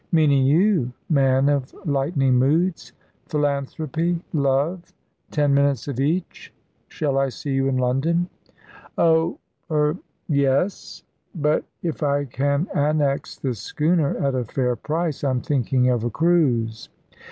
"Meaning you, man of lightning moods. Philanthropy, love ten minutes of each. Shall I see you in London?" "Oh er yes. But if I can annex this schooner at a fair price, I'm thinking of a cruise."